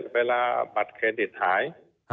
เวลาบัตรเครดิตหาย